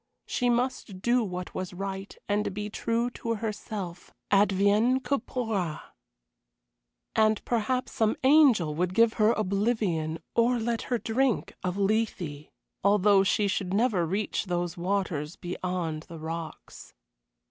She must do what was right, and be true to herself, advienne que pourra. And perhaps some angel would give her oblivion or let her drink of Lethe, though she should never reach those waters beyond the rocks.